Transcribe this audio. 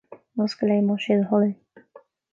Oscail é, más é do thoil é